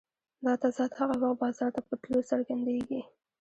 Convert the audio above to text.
دا تضاد هغه وخت بازار ته په تلو څرګندېږي